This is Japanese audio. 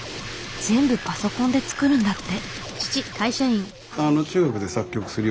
全部パソコンで作るんだって。